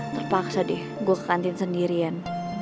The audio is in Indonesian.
terpaksa deh gue kantin sendirian